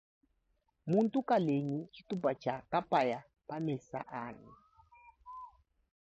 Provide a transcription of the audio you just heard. Muntu kalengi tshitupa tshia kpaya pamesa anyi.